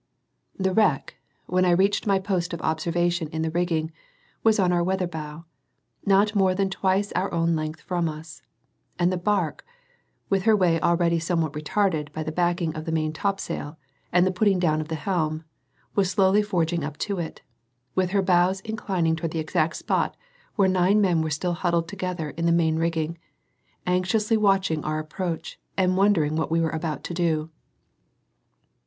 The wreck, when I reached my post of observation in the rigging, was on our weather bow, not more than twice our own length from us; and the barque, with her way already somewhat retarded by the backing of the main topsail and the putting down of the helm, was slowly forging up to it, with her bows inclining toward the exact spot where the nine men were still huddled together in the main rigging, anxiously watching our approach and wondering what we were about to do.